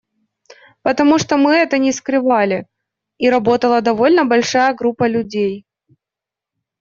Потому что мы это не скрывали, и работала довольно большая группа людей.